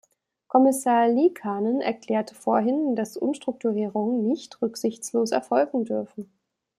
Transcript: Kommissar Liikanen erklärte vorhin, dass Umstrukturierungen nicht rücksichtslos erfolgen dürfen.